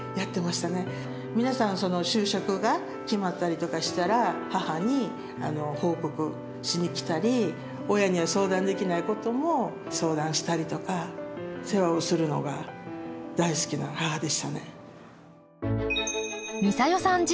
皆さん就職が決まったりとかしたら母に報告しに来たり親には相談できないことも相談したりとか世話をするのが大好きな母でしたね。